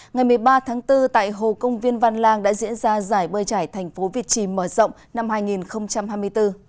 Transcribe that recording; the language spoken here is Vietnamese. ngày một mươi ba tháng bốn tại hồ công viên văn lang đã diễn ra giải bơi trải thành phố việt trì mở rộng năm hai nghìn hai mươi bốn